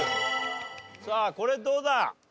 さあこれどうだ？